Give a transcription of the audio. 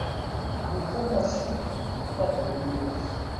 Yufa Massi deg ṭabla iman-is.